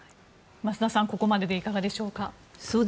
増田さん、ここまででいかがでしょうか？